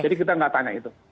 jadi kita nggak tanya itu